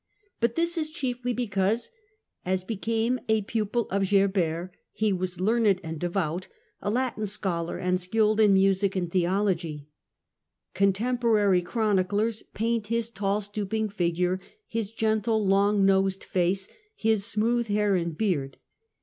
But this is chiefly because, as became a pupil of Gerbert, he was learned and devout, a Latin scholar, and skilled in music and theology. Contemporary chroniclers paint his tall, stooping figure, his gentle, long nosed face, his smooth hair and beard.